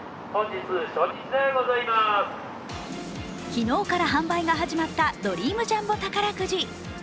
昨日から販売が始まったドリームジャンボ宝くじ。